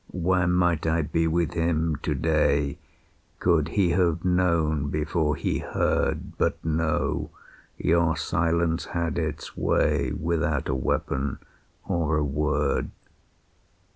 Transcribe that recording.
"Where might I be with him to day, Could he have known before he heard? But no your silence had its way, Without a weapon or a word.